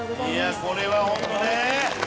いやこれはホントね。